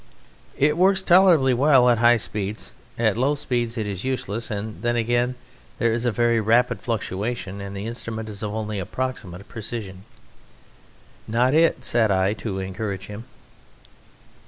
"It works tolerably well at high speeds; at low speeds it is useless; and then again there is a very rapid fluctuation, and the instrument is of only approximate precision." "Not it!" said I to encourage him.